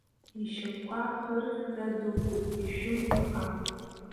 Ишьапқәа хырҟьаҟьа дықәуп, ишәым, ихам.